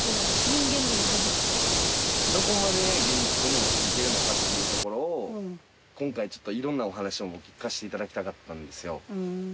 人間味の味ってどこまで現実に持っていけるのかっていうところを今回ちょっといろんなお話を聞かせていただきたかったんです